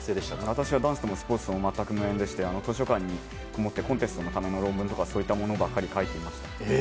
私はダンスともスポーツとも全く無縁でして図書館でコンテストのための論文とかばかり書いていました。